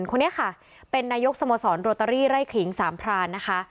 คนนี้ค่ะเป็นนายกสโมสรโรตเตอรี่ไร่ขิงสามพรานนะคะ